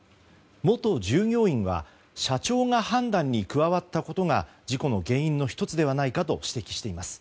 元従業員は社長が判断に加わったことが事故の原因の１つではないかと指摘しています。